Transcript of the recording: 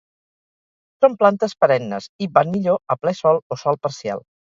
Són plantes perennes i van millor a ple sol o sol parcial.